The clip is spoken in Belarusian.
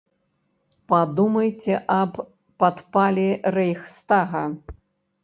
Падумайце аб падпале рэйхстага.